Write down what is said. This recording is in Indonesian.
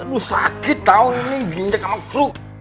aduh sakit tau nih gendek sama kruk